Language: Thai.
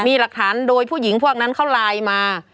มีหลักฐานโดยผู้หญิงพวกนั้นเขาไลน์มา